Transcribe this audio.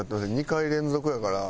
２回連続やから。